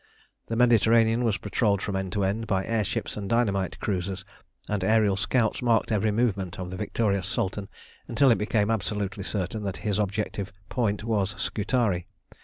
The Mediterranean was patrolled from end to end by air ships and dynamite cruisers, and aërial scouts marked every movement of the victorious Sultan until it became absolutely certain that his objective point was Scutari.